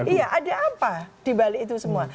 iya ada apa dibalik itu semua